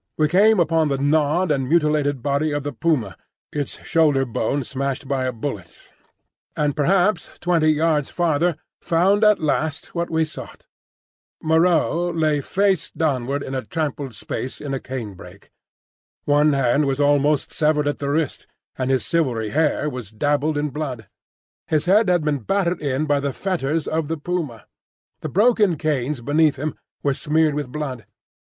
We came upon the gnawed and mutilated body of the puma, its shoulder bone smashed by a bullet, and perhaps twenty yards farther found at last what we sought. Moreau lay face downward in a trampled space in a canebrake. One hand was almost severed at the wrist and his silvery hair was dabbled in blood. His head had been battered in by the fetters of the puma. The broken canes beneath him were smeared with blood.